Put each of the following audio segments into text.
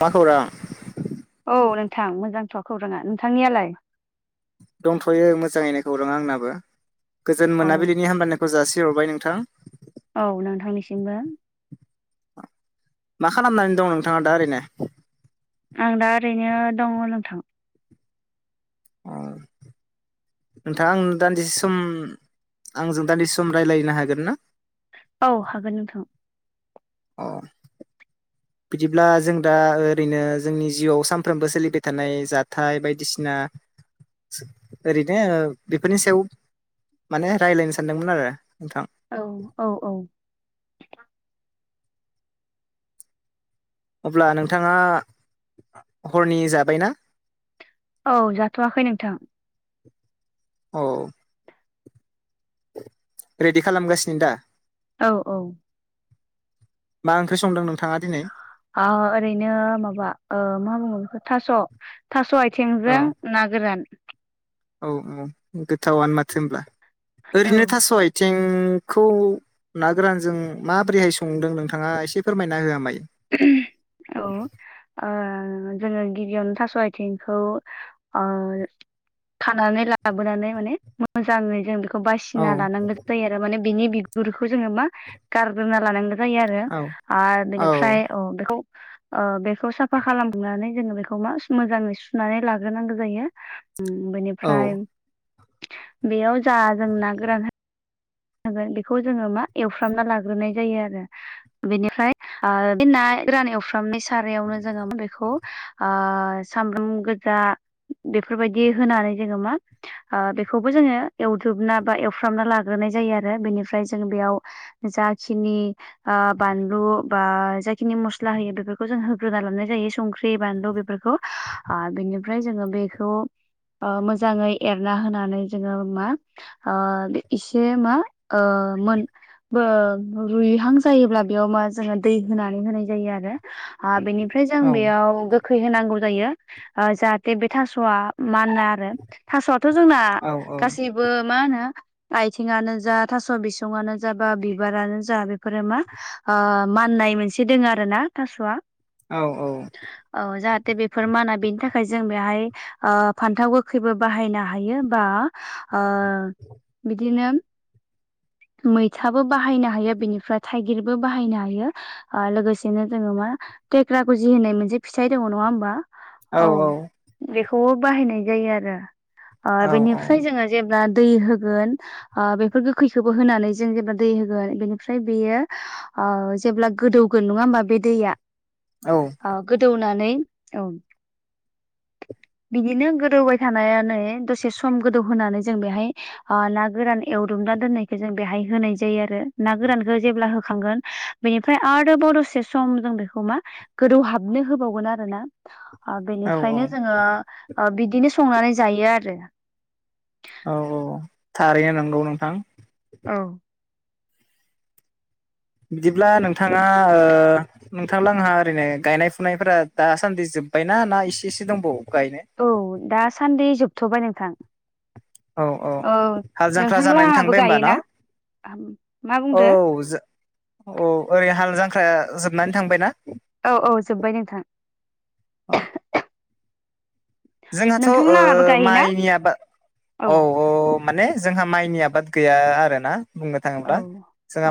मा खौरां? औ नोंथां मोजांथ' खौराङा नोंथांनियालाय? दंथ'यो मोजाङैनो खौरां आंनाबो गोजोन औ मोनाबिलिनि हामलायना जासि हरबाय नोंथां। औ नोंथांनिसिमबो। मा खालामनानै दं नोंथाङा दा ओरैनो? आं दा ओरैनो दङ नोंथां। ओम। नोंथाङा आं दान्दिसे सम आंजों दान्दिसे सम रायज्लायनो हागोन ना? औ हागोन नोंथां। अ [unintelligible] बिदिब्ला जों दा ओरैनो जोंनि जिउआव सानफ्रोमबो सोलिबाय थानाय जाथाय बायदिसिना ओरैनो बेफोरनि सायाव माने रायज्लायनो सानदोंमोन आरो नोंथां। औ-औ-औ। अब्ला नोंथाङा हरनि जाबायना? औ जाथ'वाखै नोंथां। औ। रेडि खालामगासिनो दा? औ-औ। मा ओंख्रि संदों नोंथाङा दिनै? ओ ओरैनो माबा ओ मा बुङो बेखो थास'-थास' आथिंजों ना गोरान। औ-औ गोथावनो माथो होनब्ला औ ओरैनो थास' आथिं खौ ना गोरानजों माबोरैहाय संदों नोंथाङा एसे फोरमायना होयामाय। अ ओ जोङो गिबियावनो थास' आथिंखौ अ खानानै लाबोनानै माने मोजाङै जों बेखौ खौ औ बासिना लानांगोन जायो आरो माने बिनि बिगुरखौ जोङो मा गारग्रोबना लानांगोन जायो आरो औ आ औ बेनिफ्राय औ बेखौ ओ बेखौ साफा खालामनानै जोङो बेखौ मा मोजाङै सुनानै लाग्रोनांगौ जायो औ बेनिफ्राय बेयाव जा जों ना गोरानाय होगोन बेखौ जोङो मा एवफ्रामना लाग्रोनाय जायो आरो बेनिफ्राय आ बे ना गोरान एवफ्रामनाय सारायावनो जोङो बेखौ आ सामब्राम गोजा बेफोरबायदि होनानै जोङो मा ओ बेखौबो जोङो एवदोबना बा एवफ्रामना लाग्रोनाय जायो आरो बेनिफ्राय जोङो बेयाव जा खिनि ओ बानलु बा जाखिनि मस्ला होयो बेफोरखौ जों होग्रोना लानाय जायो संख्रि बानलु बेफोरखौ ओ बिनिफ्राय जोङो बेखौ ओ मोजाङै एरना होनानै जोङो मा ओ इसे जे मा ओ मोन बो रुइहां जायोब्ला बेयाव मा जोङो दै होनानै होनाय जायो आरो ओ बेनिफ्राय जों औ बेयाव खैहोनांगौ जायो ओ जाहाथे बे थास'आ माना आरो थास'आथ' जोंना औ गासैबो मा होनो आथिङानो जा थास' बिसङानो जा बा बिबारानो जा बेफोरो मा ओ माननाय मोनसे दङ आरो ना थास'आ। औ औ। औ जाहाथे बेफोर माना बेनि थाखाय जों बेहाय ओ फान्थाव गोखैबो बाहायनो हायो बा ओ बिदिनो मैथाबो बाहायनो हायो बेनिफ्राय थाइगिरबो बाहायनो हायो। ओ लोगोसेनो जोङो मा थेक्रा गुजि होननाय मोनसे फिथाइ दङ नङा होमबा। औ बेखौबो बाहायनाय जायो आरो बेनिफ्राय जोङो जेबोब्ला दै होग होग बेफोर गोखैखौबो होनानै जों जेनेबा दै होगोन बेनिफ्राय बेयो जेब्ला गोदौगोन नङा होमबा बे दैया औ गोदौनानै औ। बिदिनो गोदौबाय थानायानो दसे सम गोदौ होनोनानै जों बेहाय ना गोरान एवदुमना दोननायखौ जों बेहाय होनाय जायो आरो ना गोरानखौ जेब्ला होखांगोन बेनिफ्राय आरोबाव दसे सम जों बेखौ मा गोदौ हाबनो होबावगोन आरोना। ओ औ बेनिफ्रायनो जोङो बिदिनो संनानै जायो आरो औ औ थारैनो नंगौ नोंथां। औ बिदिब्ला नोंथाङा ओ नोंथांला आंहा ओरैनो गायनाय फुनायफोरा दासान्दि जोब्बायना ना इसे एसे दंबावो गायनो। औ दासान्दि जोबथ'बाय नोंथां। औ हाल जांख्रा नोंथांला जानानै हाबो थांबाय होमबा न गायोना मा बुंदो? अ ओरै हाल जांख्राया जोबनानै थांबाय ना। औ औ जोब्बाय नोंथां। औ जोंहाथ' नोंथां लाहाबो ऐ गायोना माइनिया बा औ अ माने जोंहा माइनि आबाद गैया आरो ना। बुंनो औ थाङोब्ला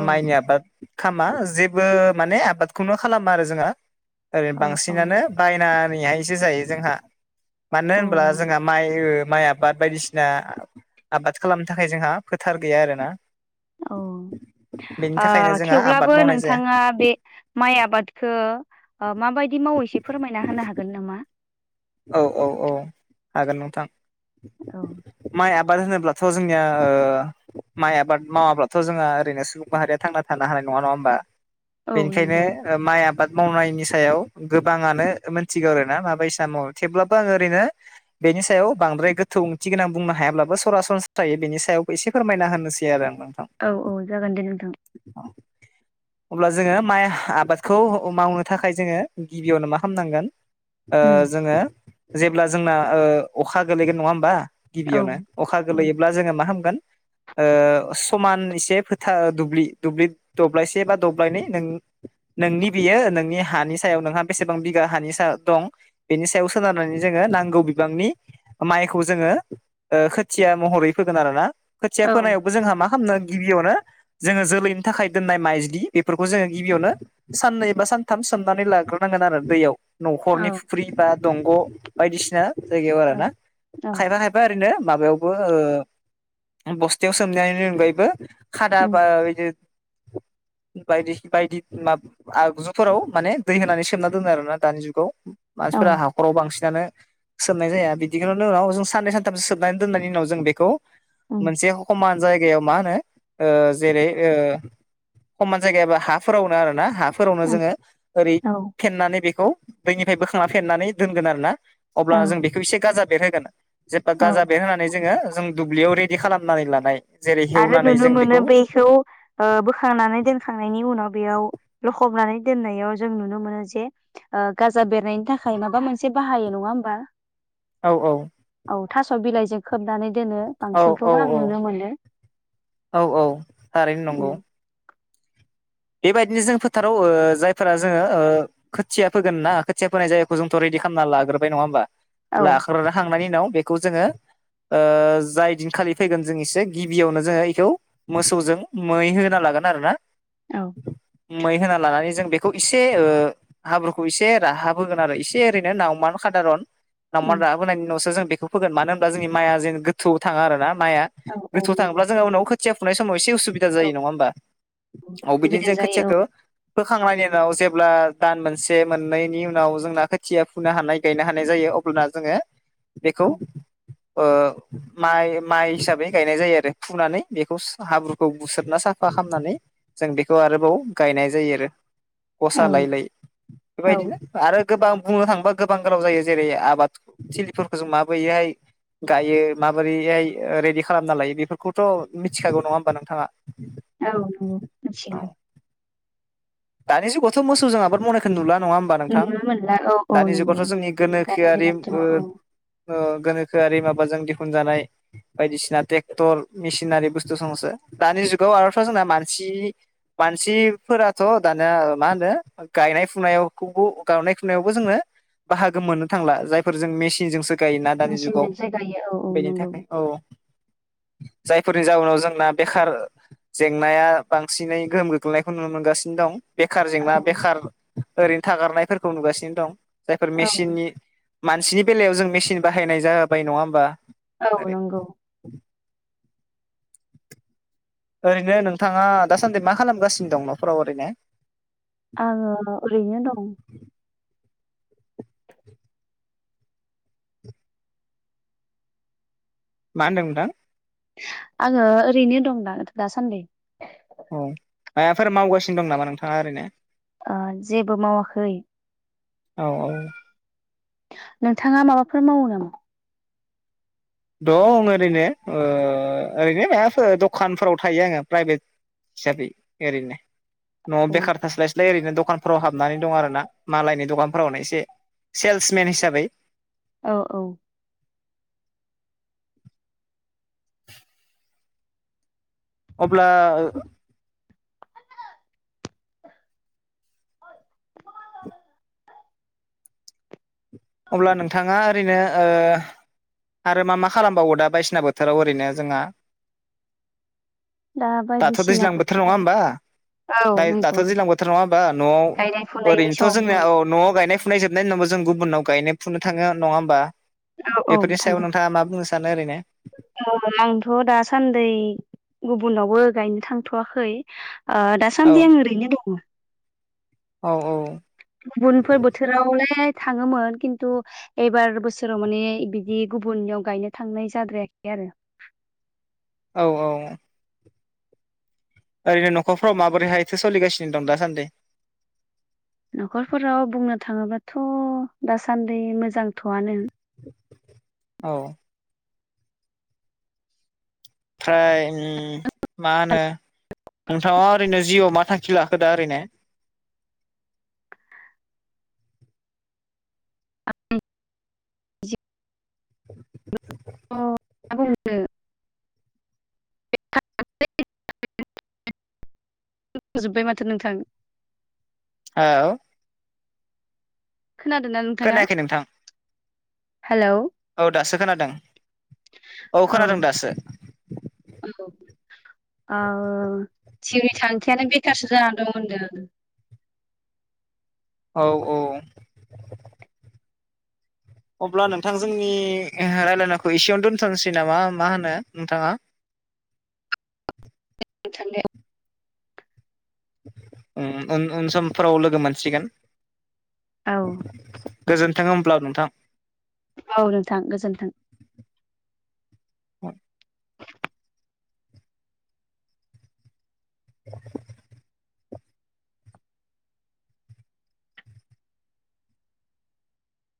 औ माइनि आबाद। खालामा जेबो माने आबादखौनो खालामा आरो जोंहा ओरै बांसिनानो बायनानैहायसो जायो जोंहा मानो औ होनब्ला जोंहा माइ माइआ। आबाद बायदिसिना आबाद खालामनो थाखाय जोंहा फोथार गैया आरोना। ओ बेनि थाखायनो जोंहा आबाद थेवब्लाबो मावनाय जाया नोंथाङा बे माइ आबादखो माबायदि मावो एसे फोरमायना होनो हागोन नामा? औ औ औ हागोन नोंथां। औ माइ आबाद होनोबाथ जोंनिया ओ माइ आबाद मावाब्लाथ' जोंहा ओरैनो सुबुं माहारिया थांना थानो हानाय नङा नङा होमबा। औ नंगौ बेनिखायनो माइ आबाद मावनायनि सायाव गोबांङानो मोनथिगौ आरोना माबायसा। थेवब्लाबो आंङो ओरैनो बेनि सायाव बांद्राय गोथौ ओंथि गोनां बुंनो हायाब्लाबो सरासनस्रायै बेनि सायावबो एसे फोरमायना होनोसै आरो आं नोंथां। औ औ जागोन दे नोंथां। अब्ला जोंङो माइ आबादखौ मावनो थाखाय जोङो गिबियावनो मा खालामनांगोन। ओ उम जोङो जेब्ला जोंना ओ अखा गोलैगोन नङा होमबा। औ गिबियावनो अखा औ गोलैयोब्ला जोङो मा खामगोन। ओ समान एसे फोथार दुब्लि दुब्लि दब्लायसे बा दब्लायनै नों नोंनि बियो नोंनि हानि सायाव नोंहा बेसेबां बिगा हानि सा दं बेनि सायाव सोनारनानै जोःङो नांगौ बिबांनि माइखौ जोङो ओ खोथिया महरै फोगोन आरोना खोथिया औ फोनायावबो जोंहा मा खाम गिबियावनो जोंङो जोलैनि थाखाय दोननाय माइज्लि बेफोरखौ जोङो गिबियावनो साननै बा सानथाम सोमनानै लाग्रोनांगोन आरो दैयाव न'खरनि औ फुख्रि बा दंग' बायदिसिना जायगायाव औ आरोना औ खायफा खायफा ओरैनो माबायावबो ओ बस्थायाव सोमनायनि अनगायैबो खादा उम बा बिदि [inaudible] बायदि बायदि आगजुफोराव माने दै होनानै सोमना दोनो आरो ना दानि जुगाव औ मानसिफोरा हाखराव बांसिनानो सोबनाय जाया बिदिखौ उनाव जों साननै सानथामसो सोबनानै दोननायनि उनाव जों बेखौ उम मोनसे समान जायगायाव मा होनो ओ जेरै ओ खमान जायगायाबा हाफोरावनो आरो ना हा फोरावनो उम जोङो ओरै औ फेन्नानै बेखौ दैनिफ्राय बोखांनानै फेन्नानै दोनगोन आरोना अब्ला औ जों बेखौ एसे गाजा बेर होगोन जेबा औ गाजा बेर होनानै जोङो जों दुब्लियाव रेडि खालामनानै लानाय जेरै आरो हेवनानै नुनो जों मोनो बेखौ ओ बोखांनानै दोनखांनायनि उनाव बेयाव लखबनानै दोननायाव जों नुनो मोनो जे ओ गाजा बेरनायनि थाखाय माबा मोनसे बाहायो नङा होमबा औ औ औ थास' बिलाइजों खोबनानै दोनो औ औ बांसिनखौनो आं नुनो मोनो। औ औ थारैनो नंगौ उम बेबायदिनो जों फोथाराव ओ जायफोरा जोंङो ओ खोथिया फोगोन ना खोथिया फोनाय जायगखौ जोंथ' रेडि खालामना लाग्रबाय नंङा होमबा औ लाग्रोखांनायनि उनाव बेखौ जोंङो। ओ जाय दिनखालि थैगोन जों एसे गिबियावनो जोंङो इखौ मोसौजों मै होना लागोन आरो ना औ मै होना लानानै जों बे खौ इसे ओ हाब्रुखौ एसे राहाब होगोन आरो एसे ओरैनो नावमान खादारन नावमान उम राबोनायनि न'सो जों बेखौ फोगोन मानो होनब्ला जोंनि माइआ जेन गोथौआव थाङा आरो ना माइआ औ औ गोथौ नंगौ थांब्ला जोंहा उनाव खोथिया फुनाय समाव एसे उसुबदा औ जायो नङा होमबा औ बिदिनो सुबिदा जों जायो खोथियाखो फोखांनायनि उनाव जेब्ला दान मोनसे मोननैनि उनाव जोंना खोथिया फुनो हानाय गायनो हानाय जायो। खुलना जोंङो बेखौ औ ओ माइ माइ हिसाबै गायनाय जायो आरो फुनानै बेखौ हाब्रुखौ बुसोरना साफा खामनानै जों बेखौ आरोबाव गायनाय जायो आरो औ ग'सा लायै लायै औ बेबायदिनो आरो गोबां बुंनो थाङोबा गोबां गोलाव जायो जेरै आबाद थिलिफोरखो जों माबोयोहाय गायो माबोरैहाय ओ रेडि खालामना लायो बेफोरखौथ' मिथिखागौ नङा होमबा नोंथाङा? बि औ नंगौ मिथिगौ। दानि जुगावथ' मोसौजों आबाद मावनायखौ नुला नङा होम बा नोंथां नुनो मोनला औ औ दानि नंगौ जुगावथ' जोंनि दानि गोनोखोआरि दिनावथ' ओ औ ओ गोनोखोआरि माबाजों दिहुनजानाय बायदिसिना टेक्टर मिसिनारि बुस्थु संसो दानि जुगाव आरोथ' जोंना मानसि मानसिफोरा थ' दानोया मा होनो गायनाय फुनायावखौबो गावनाय फुनायावबो जोङो बाहागो मोननो थांला जायफोर जों मेसिनजोंसो गायोना दानि जुगाव मेचिनजोंसो गायो औ औ बेनि नंगौ थाखाय औ। जायफोरनि जाउनाव जोंना बेखार जेंनाया बांसिनै गोहोम गोग्लैनायखौ नुनो मोनगासि दं बेखार औ जेंना बेखार ओरैनो थागारनायफोरखौ नुगासिनो दं। जायफोर औ मेसिननि मानसिनि बेलायाव जों मेसिन बाहायनाय जाबाय नङा होमबा? औ ओरै नंगौ। ओरैनो नोंथाङा दासान्दि मा खालामगासिनो दं न'फोराव ओरैनो? आङो ओरैनो दं। मा होनदों नोंथां? आङो ओरैनो दं दा दासान्दि। औ मायाफोर मावगासिनो दं नामा नोंथाङा ओरैनो? ओ जेबो मावाखै। औ औ। नोंथाङा माबाफोर मावो नामा? दं ओरैनो ओ ओरैनो मायाफोर द'खानफोराव थायो आङो प्राइभेट हिसाबै एरैनो न'आव औ बेखार थास्लाय नै ओरैनो दखानफोराव हाबनानै दं आरोना मालायनि दखानफोरावनो एसे सेल्समेन हिसाबै। औ औ। अब्ला ओ अब्ला नोंथाङा ओरैनो ओ आरो मा मा खालामबावो दा बायसिना बोथोराव ओरैनो जोंहा? दा दाथ' बायदिसिना दैज्लां बोथोर नङा बोथोराव होमबा? औ फाय दाथ' नंगौ दैलां बोथोर नङा होमबा गायनाय न'आव फुनायनि ओरैनोथ' सम जोंनिया औ न'आव गायनाय फु फुनाय जोबनायनि उनावबो जों गुबुननाव गायनो फुनो थाङो आर नङा होमबा औ औ बेफोरनि सायाव नोंथाङा मा बुंनो सा सानो ओरैनो? ओम आंथ' दासान्दै गुबुनावबो गायनो थांथ'वाखै ओ दा औ दासान्दि आं ओरैनो दङ। औ औ गुबुनफोर बोथोरावलाय थाङोमोन किन्तु एबार बोसोराव माने बिदि गुबुननियाव गायनो थांनाय जाद्रायाखै आरो। औ औ। ओरैनो न'खरफोराव माबोरैहायथो सलिगासिनो दं दासान्दै? न'खरफोराव बुंनो थाङोबाथ' दासान्दि मोजांथ'आनो। [inaudible] औ फ्राय उम मा होनो नोंथां ओरैनो जिआव मा थांखि लाखो ओरैनो? अ [unintelligible] [unintelligible] जोबबाय माथो नोंथां। औ खोनादो ना नोंथाङा? खोनायाखै नोंथां हेलौ औ दासो खोनादों औ खोनादों दासो। औ जिउनि थांखियानो बे [unintelligible] जानानै दं होनदों। औ औ अब्ला नोंथां जोंनि रायलायनाखौ एसेयावनो दोन्थ'नोसै नामा मा होनो नोंथाङा? औ दे नोंथां दे। उम उन समफोराव लोगो मोनसिगोन। औ गोजोनथों होमब्ला नोंथां। औ नोंथां गोजोन्थों।